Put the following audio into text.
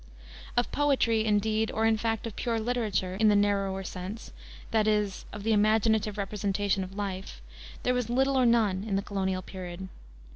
Of poetry, indeed, or, in fact, of pure literature, in the narrower sense that is, of the imaginative representation of life there was little or none in the colonial period.